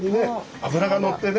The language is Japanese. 脂がのってね。